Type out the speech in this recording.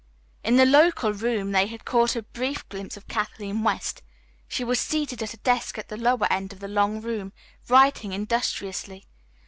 In the local room they had caught a brief glimpse of Kathleen West. She was seated at a desk at the lower end of the long room, writing industriously.